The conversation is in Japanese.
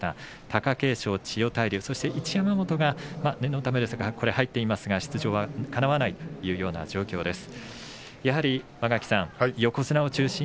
貴景勝、千代大龍そして一山本念のためですが入っていますが出場はかなわないという状況です。